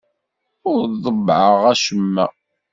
Ur ḍebbɛeɣ acemma.